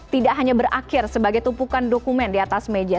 tidak hanya berakhir sebagai tumpukan dokumen di atas meja